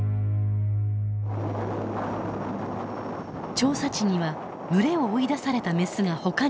調査地には群れを追い出されたメスがほかにもいます。